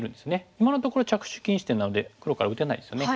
今のところ着手禁止点なので黒から打てないですよね。